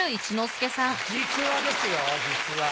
実話ですよ実話。